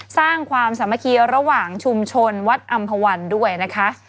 สร้างความสามัคคีระหว่างชุมชนวัดอำภาวันด้วยนะคะ